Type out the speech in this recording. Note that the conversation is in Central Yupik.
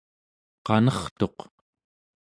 qanertuq